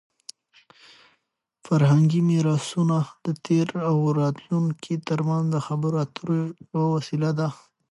فرهنګي میراثونه د تېر او راتلونکي ترمنځ د خبرو اترو یوه وسیله ده.